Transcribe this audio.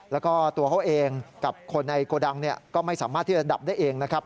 แล้วก็ตัวเขาเองกับคนในโกดังก็ไม่สามารถที่จะดับได้เองนะครับ